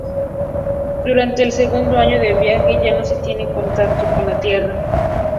Durante el segundo año de viaje, ya no se tiene contacto con la Tierra.